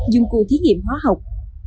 dung cưu thí nghiệm hóa học